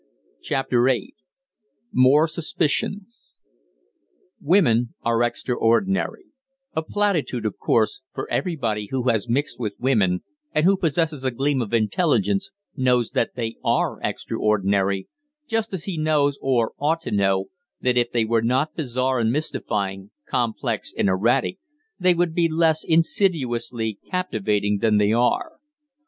CHAPTER VIII MORE SUSPICIONS Women are extraordinary a platitude, of course, for everybody who has mixed with women and who possesses a gleam of intelligence knows that they are extraordinary, just as he knows, or ought to know, that if they were not bizarre and mystifying, complex and erratic, they would be less insidiously captivating than they are.